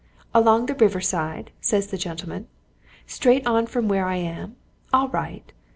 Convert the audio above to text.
'Along the river side?' says the gentleman, 'Straight on from where I am all right.'